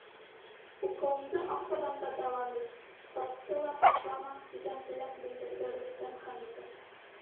Уҡыуыңды артабан да дауам ит, спортты ла ташлама, — тигән теләк белдерҙе Рөстәм Хәмитов.